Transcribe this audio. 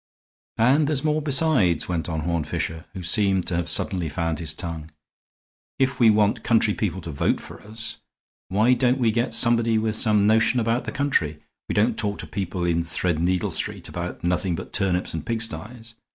"And there's more, besides," went on Horne Fisher, who seemed to have suddenly found his tongue. "If we want country people to vote for us, why don't we get somebody with some notion about the country? We don't talk to people in Threadneedle Street about nothing but turnips and pigsties.